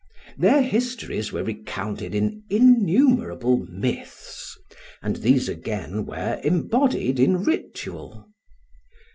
Their histories were recounted in innumerable myths, and these again were embodied in ritual.